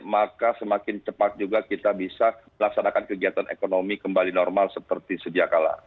maka semakin cepat juga kita bisa melaksanakan kegiatan ekonomi kembali normal seperti sedia kala